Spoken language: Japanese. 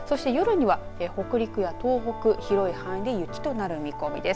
そして夜には北陸や東北広い範囲で雪となる見込みです。